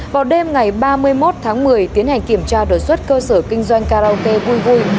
vào đêm ngày ba mươi một tháng một mươi tiến hành kiểm tra đột xuất cơ sở kinh doanh karaoke vui vui